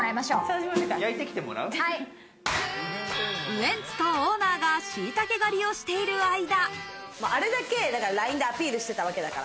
ウエンツとオーナーがしいたけ狩りをしている間。